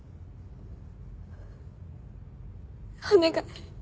お願い。